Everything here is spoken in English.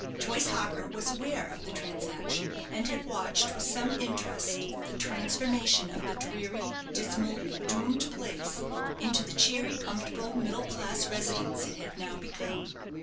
Joyce Harker was aware of the transaction, and had watched with some interest the transformation of the dreary, dismal, doomed place, into the cheery, comfortable, middle class residence it had now become.